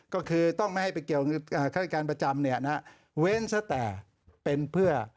ก็คือต้องไม่ให้ไปเกี่ยวกับฆาติการประจำเนี่ยนะฮะเว้นซะแต่เป็นเพื่อ